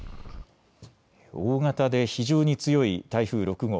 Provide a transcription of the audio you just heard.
大型で非常に強い台風６号。